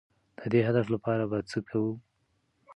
د دې هدف لپاره به هڅه کوو.